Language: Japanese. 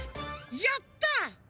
やった！